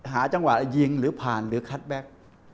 หาจังหวะยิงหรือผ่านหรือคัทแบ็ค